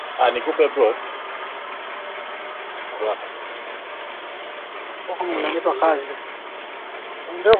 idadi ya watu wanaolengwa lazima inakiliwe